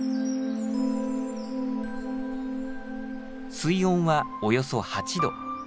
水温はおよそ８℃。